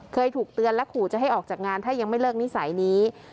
เคยถูกเตือนและขู่จะให้ออกจากงานถ้ายังไม่เลิกนิสัยนี้